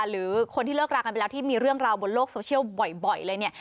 หรือคนที่เลิกรากันไปแล้วที่มีเรื่องราวบนโลกโซเชียลบ่อยเลยเนี่ย